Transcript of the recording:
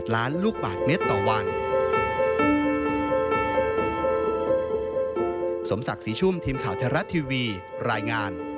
ล้านลูกบาทเมตรต่อวัน